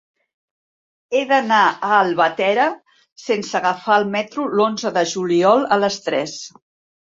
He d'anar a Albatera sense agafar el metro l'onze de juliol a les tres.